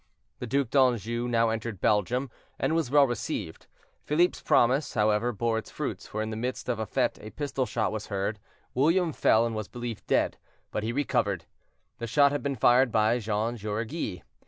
The Duc d'Anjou now entered Belgium, and was well received. Philippe's promise, however, bore its fruits; for in the midst of a fete, a pistol shot was heard; William fell, and was believed dead; but he recovered. The shot had been fired by Jean Jaureguy.